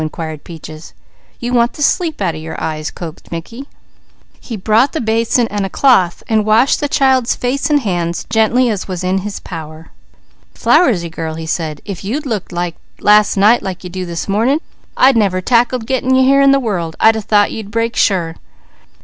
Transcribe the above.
inquired Peaches. "You want the sleep out of your eyes," coaxed Mickey. He brought the basin and a cloth, washing the child's face and hands gently as was in his power. "Flowersy girl," he said, "if you'd looked last night like you do this morning, I'd never tackled getting you here in the world. I'd thought you'd break sure."